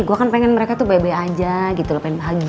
gua kan pengen mereka tuh baik baik aja gitu pengen bahagia